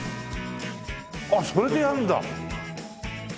あっそれでやるんだ！